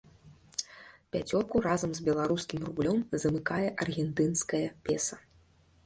Пяцёрку разам з беларускім рублём замыкае аргентынскае песа.